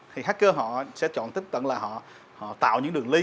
thì hacker họ sẽ chọn tiếp cận là họ tạo những đường li